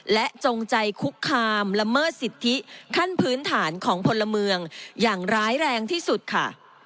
และจงใจคุกคามละเมิดสิทธิขั้นพื้นฐานของพลเมืองอย่างร้ายแรงที่สุดค่ะ